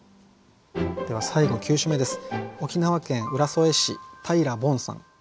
では最後９首目です。